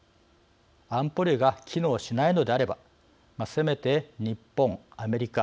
安保理が機能しないのであればせめて日本、アメリカ